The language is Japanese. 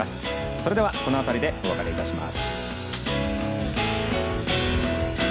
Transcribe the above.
それでは、この辺りでお別れします。